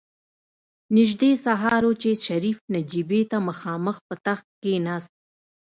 نژدې سهار و چې شريف نجيبې ته مخامخ په تخت کېناست.